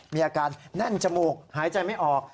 มีอาการแน่นจมูกหายใจไม่ออก